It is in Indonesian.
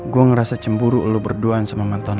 gue ngerasa cemburu lu berdua sama mantan lu